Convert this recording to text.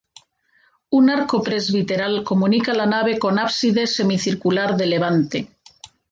Un arco presbiteral comunica la nave con ábside semicircular de levante.